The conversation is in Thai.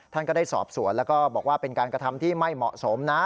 ท่านก็ได้สอบสวนแล้วก็บอกว่าเป็นการกระทำที่ไม่เหมาะสมนะ